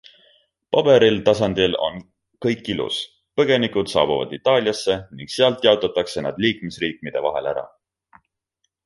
Paberil tasandil on kõik ilus - põgenikud saabuvad Itaaliasse ning sealt jaotatakse nad liikmesriikide vahel ära.